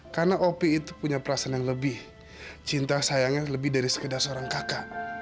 karena opi itu punya perasaan yang lebih cinta sayangnya lebih dari sekedar seorang kakak